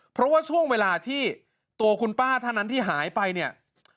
เพราะว่าช่วงเวลาที่ตัวคุณป้าท่านนั้นที่หายไปเนี่ย